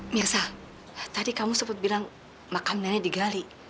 mirsa tadi kamu sempat bilang makam nenek digali